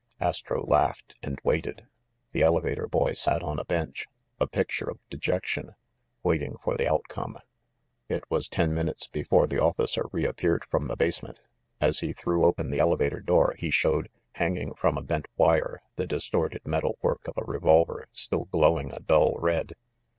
Astro laughed, and waited. The elevator boy sat on a bench, a picture of dejection, waiting for the out come. It was ten minutes before the officer reappeared from the basement. As he threw open the elevator door he showed, hanging from a bent wire, the dis torted metal work of a revolver, still glowing a dull red.